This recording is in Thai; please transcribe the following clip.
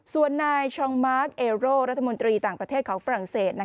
ส่วนนายชองมาร์คเอโรรัฐมนตรีต่างประเทศของฝรั่งเศส